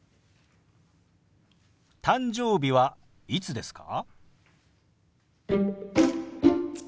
「誕生日はいつですか？」。